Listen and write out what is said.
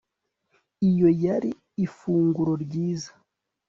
iyo yari ifunguro ryiza